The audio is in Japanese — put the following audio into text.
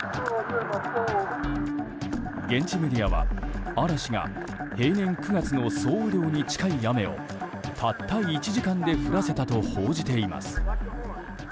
現地メディアは嵐が平年９月の総雨量に近い雨をたった１時間で降らせたと報じています。